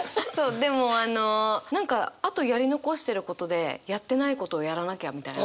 でもあの何かあとやり残してることでやってないことをやらなきゃみたいな。